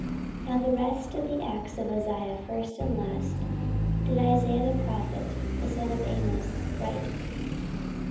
14:026:022 Now the rest of the acts of Uzziah, first and last, did Isaiah the prophet, the son of Amoz, write.